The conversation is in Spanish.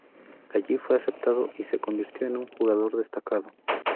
Allí fue aceptado, y se convirtió en un jugador destacado.